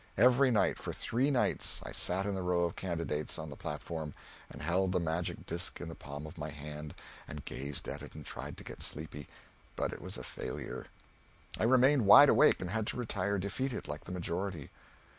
Every night, for three nights, I sat in the row of candidates on the platform, and held the magic disk in the palm of my hand, and gazed at it and tried to get sleepy, but it was a failure; I remained wide awake, and had to retire defeated, like the majority.